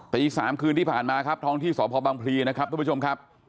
ตี๓คืนที่ผ่านมาครับท้องที่สพบังพลีนะครับทุกผู้ชมครับ